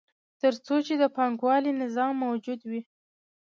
تر څو چې د پانګوالي نظام موجود وي